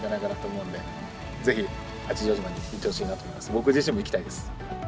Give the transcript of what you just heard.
僕自身も行きたいです。